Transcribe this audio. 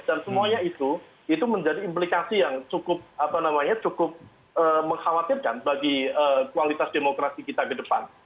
dan semuanya itu menjadi implikasi yang cukup mengkhawatirkan bagi kualitas demokrasi kita ke depan